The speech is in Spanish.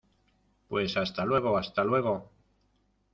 pues hasta luego. hasta luego .